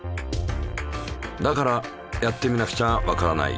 だからやってみなくちゃわからない。